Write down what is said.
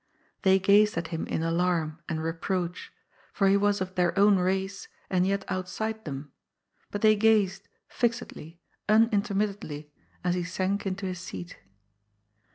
They gazed at him in alarm and reproach, for he was of their own race and yet outside them, but they gazed, fixedly, unintermittently, as he sank into his seat.